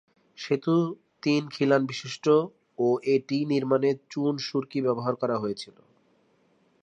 সেতুটি তিন খিলান বিশিষ্ট ও এটি নির্মাণে চুন-সুড়কি ব্যবহার করা হয়েছিল।